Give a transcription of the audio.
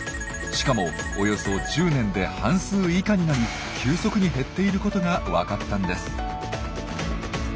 しかもおよそ１０年で半数以下になり急速に減っていることが分かったんです。